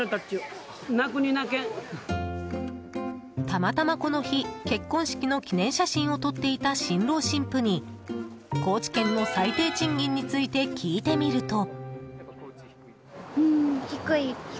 たまたまこの日、結婚式の記念写真を撮っていた新郎新婦に高知県の最低賃金について聞いてみると。